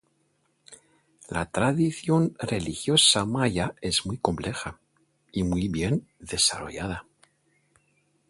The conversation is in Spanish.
La tradición religiosa maya es muy compleja y muy bien desarrollada.